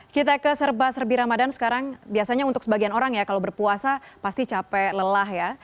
kita ke serba serbi ramadan sekarang biasanya untuk sebagian orang ya kalau berpuasa pasti capek lelah ya